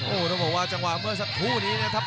โอ้โหต้องบอกว่าจังหวะเมื่อสักครู่นี้นะครับ